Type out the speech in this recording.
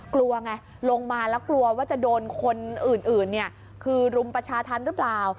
กลัวไงลงมาแล้วกลัวว่าจะโดนคนอื่นคือรุมประชาธรรมหรือเปล่า